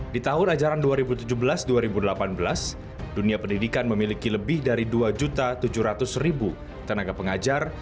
di tahun ajaran dua ribu tujuh belas dua ribu delapan belas dunia pendidikan memiliki lebih dari dua tujuh ratus tenaga pengajar